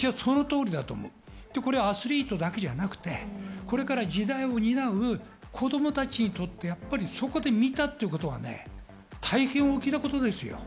それはアスリートだけではなくて、これから時代を担う子供たちにとって、やっぱりそこで見たっていうことが大変、大きなことですよ。